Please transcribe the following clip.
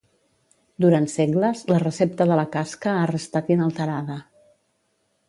Durant segles, la recepta de la casca ha restat inalterada.